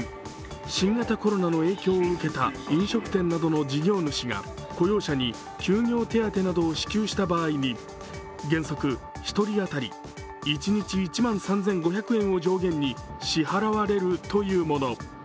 新型コロナの影響を受けた飲食店などの事業主が雇用者に休業手当などを支給した場合に原則１人当たり１日１万３５００円を上限に支払われるというもの。